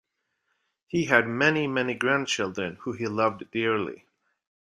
He had many, many grandchildren who he loved dearly.